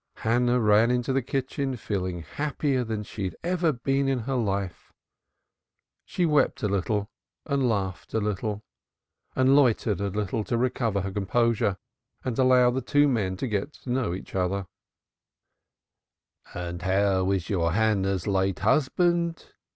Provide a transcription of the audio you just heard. Hannah ran into the kitchen feeling happier than she had ever been in her life. She wept a little and laughed a little, and loitered a little to recover her composure and allow the two men to get to know each other a little. "How is your Hannah's late husband?"